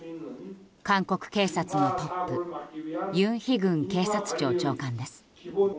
韓国警察のトップユン・ヒグン警察庁長官です。